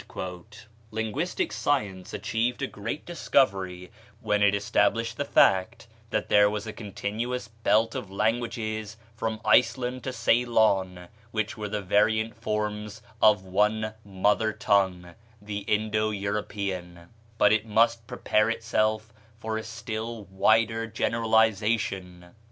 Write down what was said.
Linguistic science achieved a great discovery when it established the fact that there was a continuous belt of languages from Iceland to Ceylon which were the variant forms of one mother tongue, the Indo European; but it must prepare itself for a still wider generalization.